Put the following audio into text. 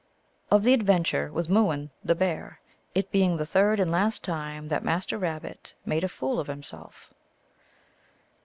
///. Of the Adventure with Mooin, the Bear ; it being the Third and Last Time that Master Rabbit made a Fool of himself.